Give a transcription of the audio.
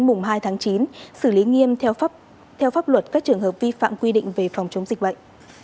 mùng hai tháng chín xử lý nghiêm theo pháp luật các trường hợp vi phạm quy định về phòng chống dịch bệnh